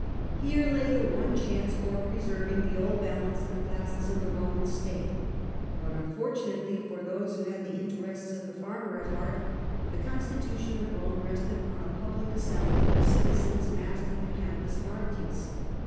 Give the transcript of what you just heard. ' Here lay the one chance for preserving the old balance of classes in the Roman state. But unfortunately for those who had the interests of the farmer at heart, the constitution of Rome rested on a public assembly of citizens massed in the Campus Martins.